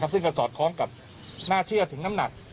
ซึ่งก็สอดคล้องกับน่าเชื่อถึงน้ำหนัก